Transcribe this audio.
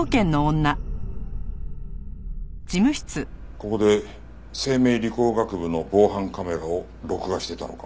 ここで生命理工学部の防犯カメラを録画してたのか。